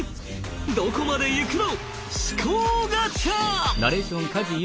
どこまでいくの？